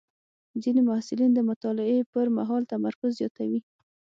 ځینې محصلین د مطالعې پر مهال تمرکز زیاتوي.